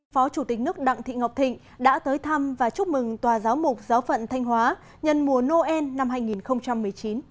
phó chủ tịch nước đặng thị ngọc thịnh đã tới thăm và chúc mừng tòa giáo mục giáo phận thanh hóa nhân mùa noel năm hai nghìn một mươi chín